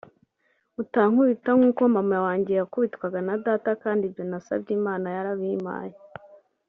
utankubita nk’uko mama wa njye yakubitwaga na data kandi ibyo nasabye Imana yarabimpaye